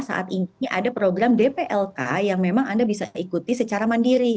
saat ini ada program dplk yang memang anda bisa ikuti secara mandiri